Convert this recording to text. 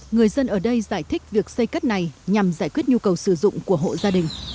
người dân ở đây giải thích việc xây cất này nhằm giải quyết nhu cầu sử dụng của hộ gia đình